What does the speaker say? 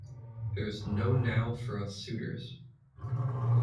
There's no now for us suitors.